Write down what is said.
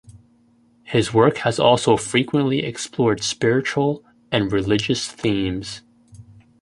His work has also frequently explored spiritual and religious themes.